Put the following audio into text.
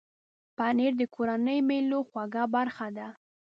پنېر د کورنۍ مېلو خوږه برخه ده.